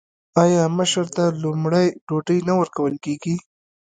آیا مشر ته لومړی ډوډۍ نه ورکول کیږي؟